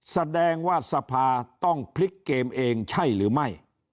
แสดงว่าสภาต้องพลิกเกมเองใช่หรือไม่